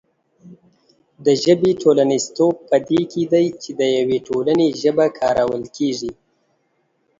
د ژبې ټولنیزتوب په دې کې دی چې د یوې ټولنې ژبه کارول کېږي.